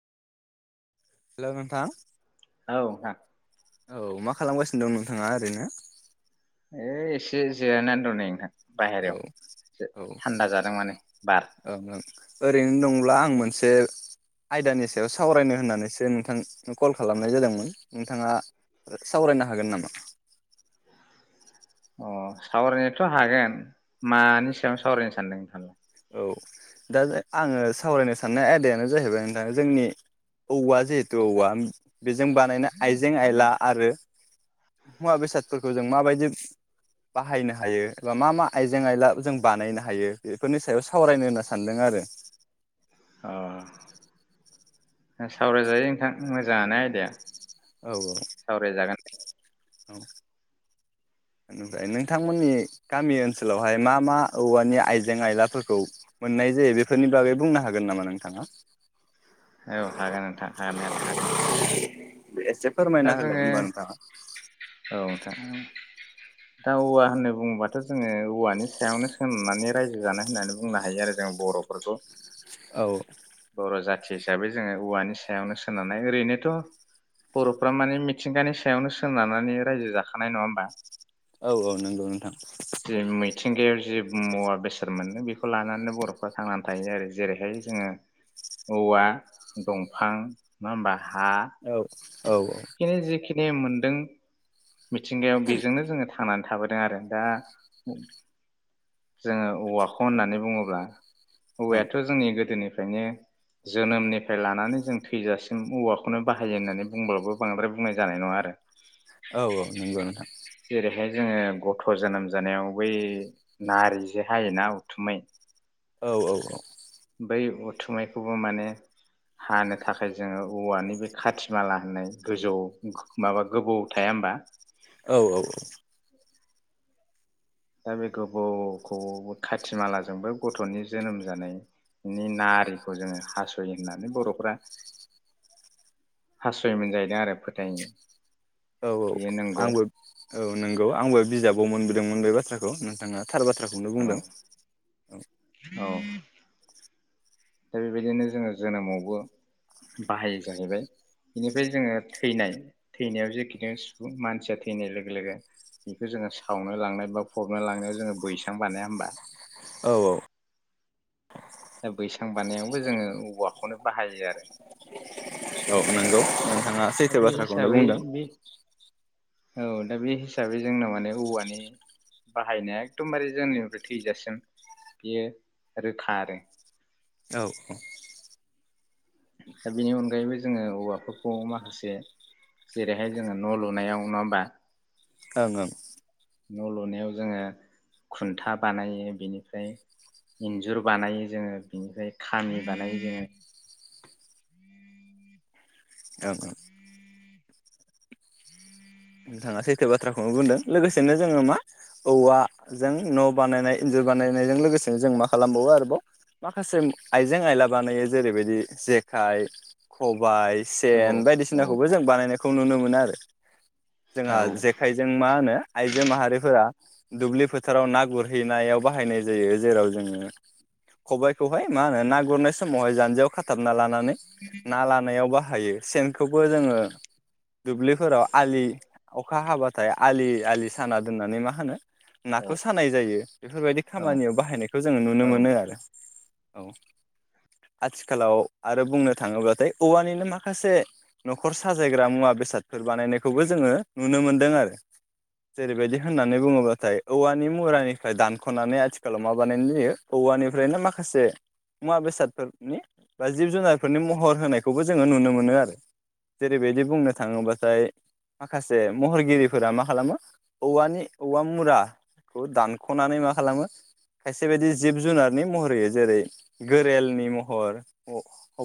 Hello नोथां औ नोंथां औ मा खालामगासिनो दं नोंथाङा ओरैनो? है एसे जिरायनानै दं नै नोंथां। औ बाहेरायाव एसे ओं थान्दा जादों माने बार। ओं ओरैनो दंब्ला आं मोनसे आयदानि स सावरायनो होननानैसो नों थां कल खालामनाय जादोंमोन नोंथाङा ओ सावरायनो हागोन नामा? अ सावरायनायथ' हागोन मानि सायाव सावरायनो सानदों नोंथांआ औ दा आङो सावरायनो साननाय आयदायानो जाहैबाय नोंथा जोंनि औवा जिहेतु औवा बेजों बानायनाय आइजें आयला आरो मुवा बेसादफोरखौ जों माबायदि बाहायनो हायो एबा मा मा आइजें आयला जों बानायनो हायो बे फोरनि सायाव सावरायनो होनना सानदों आरो। अ सावराय जायो नोंथां मोजांआनो आयदाया। औ औ सावरायजागोन औ इनिफ्राय नोंथांमोननि गामि ओनसोलावहाय मा मा औवानि आइजें आयलाफोरखौ मोननाय जायो बेफोरनि बागै बुंनो हागोन नामा नोंथाङा? औ हागोन नोंथां हानायालाय हागोन। एसे दा फोरमायना होलाय जोङो होमबा नोंथाङा [inaudible] दा औवा होननानै बुङोबाथ' जोङो औवानि सायावनो सोननानै रायजो जानाय होननानै बुंनो हायो आरो जों बर'फोरखौ औ बर' जाथि हिसाबै जोङो औवानि सायावनो सोनारनाय ओरैनोथ' बर'फ्रा माने मिथिंगानि सायावनो सोनारनानै रायजो जाखानाय नङा होमबा औ औ नंगौ नोंथां जे मैथि मिथिंगायाव जि मुवा बेसाद मोनो बेखौ लानानै बर'फ्रा थांनानै थायो आरो जेरैहाय जोङो औवा दंफां नङा होमबा हा औ औ ओं [unintelligible] जिख नेम मोनदों मिथिंगायाव बेजोंनो जोङो थानानै थाबोदों आरो दा जोङो औवाखौ होननानै बुङोब्ला औवायाथ' जोंनि गोदोनिफ्राय फ्रायनो जोनोमनिफ्राय लानानै जों थैजासिम औवाखौनो बाहायो होननानै बुंब्लाबो बांद्राय बुंनाय जानाय नङा आरो औ औ नंगौ नोंथां जेरैहाय जोङो गथ' जोनोम ज जानायाव बै नारि जे हायोना उथुमै औ औ औ। बै उथुमायखौबो माने हानो थाखाय जोङो औवानि बे खाथि माला होननाय गोजौ माबा गोबौ थाया होमबा औ औ औ दा बे गोबौखौ खाथि मालाजोंबो गथ'नि जोनोम जानायनि नारिखौ जोङो हास'यो होननानै बर'फ्रा हास'योम जाहैदों आरो फोथायो। औ औ बेयो नंगौ आंबो औ नंगौ आंबो बिजाबाव मोन बोदोंमोन बे बाथ्राखौ नोंथाङा थार बाथ्राखौनो औ बुंदों औ औ दा बेबायदिनो जोङो जोनोमावबो बाहायो जाहैबाय बेनिफ्राय जोङो थैनाय थैनायाव जेखि सुबुं मानसिया थैनाय लोगो लोगो बेखौ जोङो सावनो लांनाय बा फबनो लांनायाव जोङो बैसां बानाया होमबा। औ औ बैसां बानायावबो जोङो औवाखौनो बाहायो आरो। औ नंगौ। नोंथाङा दा सैथो बे बाथ्राखौनो हिसाबै बुंदों। बे औ दा बे हिसाबै जोंनाव माने औवानि बाहायनाया एखदमबारे जोंनिफ्राय थैजासिम बेयो रोखा आरो। औ औ दा बेनि अनगायैबो जोङो औवाफोरखौ माखासे जेरैहाय जोङो न' लुनायाव नङा होमबा। ओं ओं न' लुनायाव जोङो खुन्था बानायो बेनिफ्राय इन्जुर बानायो जोङो बेनिफ्राय खामि बानायो जोङो। ओं ओं नोंथाङा सैथो बाथ्राखौनो बुंदों लोगोसेनो जोङो मा औवाजों न' बानायनाय इन्जुर बानायनायजों लोगोसेनो जों मा खालामबावो आरोबाव माखासे आइजें आयला बानायो जेरैबायदि जेखाइ ख बाइ औ सेन औ बायदिसिनाखौबो जों बानायनायखौ नुनो मोनो आरो। औ जोंहा जेखाइजों मा होनो आयजो माहारिफोरा दुब्लि फोथाराव ना गुरहैनायाव बाहायनाय जायो जेराव जोङो खबाइखौहाय मा होनो ना गुरनाय समावहाय जान्जियाव खाथाबना लानो ना लानायावबा हायो सेनखौबो जोङो दुब्लिफोराव आलि अखा हाबाथाय आलि आलि साना दोननानै मा होनो औ नाखौ सानाय जायो। बेफोरबायदि औ खामानियाव बाहायनायखौ जों नुनो औ मोनो आरो औ। आथिखालाव आरो बुंनो थाङोबाथाय औवानिनो माखासे न'खर साजायग्रा मुवा बेसादफोर बाहायनायखौनो जोङो नुनो मोनदों आरो जेरैबायदि होननानै बुङोब्लाथाय औवानि मुरानिफ्राय दानख'नानै आथिखालाव मा बानायनाय जायो औवानिफ्रायनो माखासे मुवा बेसादफोरनि बा जिब जुनारफोरनि महर होनायखौबो जोङो नुनो मोनो आरो जेरैबायदि बुंनो थाङोब्लाथाय माखासे महरगिरिफोरा मा खालामो औवानि औवा मुराखौ दानख'नानै मा खालामो खायसे बायदि। जिब जुनारनि महर होयो जेरै गोरेलनि महर